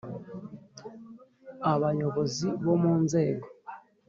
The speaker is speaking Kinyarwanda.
Abayobozi bo mu Nzego